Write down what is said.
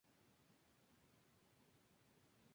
Acton ganó la etapa y se convirtió en malla oro.